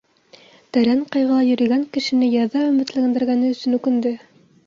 Тәрән ҡайғыла йөрөгән кешене яҙа өмөтләндергәне өсөн үкенде.